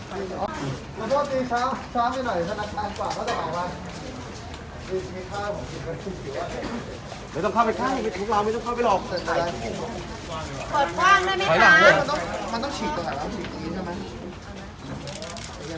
เพราะว่าอันนี้น่าจะสนุกกว่า